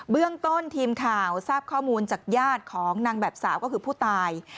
เรื่องต้นทีมข่าวทราบข้อมูลจากญาติของนางแบบสาวก็คือผู้ตาย